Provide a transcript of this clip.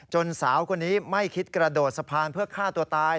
สาวคนนี้ไม่คิดกระโดดสะพานเพื่อฆ่าตัวตาย